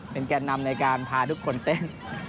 เป็นแก่นำในการพาทุกคนเต้น